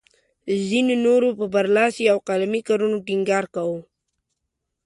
ځینو نورو پر برلاسي او قلمي کارونو ټینګار کاوه.